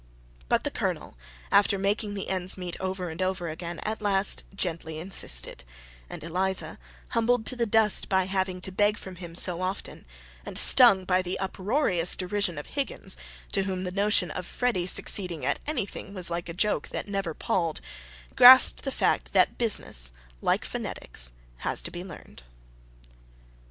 But the Colonel, after making the ends meet over and over again, at last gently insisted; and Eliza, humbled to the dust by having to beg from him so often, and stung by the uproarious derision of Higgins, to whom the notion of Freddy succeeding at anything was a joke that never palled, grasped the fact that business, like phonetics, has to be learned.